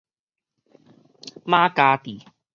馬加智